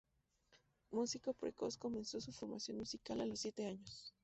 Músico precoz, comenzó su formación musical a los siete años.